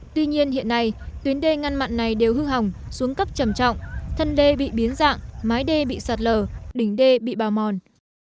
tuy nhiên hiện nay tuyến đê ngăn mặn này đều hư hỏng xuống cấp trầm trọng thân đê bị biến dạng mái đê bị sạt lở đỉnh đê bị bào mòn